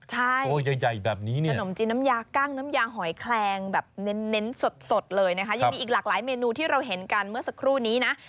ใช่ขนมจีนน้ำยากล้างน้ำยาหอยแคลงแบบเน้นสดเลยนะคะยังมีอีกหลากหลายเมนูที่เราเห็นกันเมื่อสักครู่นี้นะ